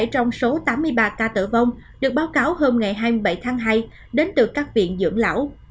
bảy trong số tám mươi ba ca tử vong được báo cáo hôm ngày hai mươi bảy tháng hai đến từ các viện dưỡng lão